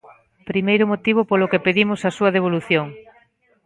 Primeiro motivo polo que pedimos a súa devolución.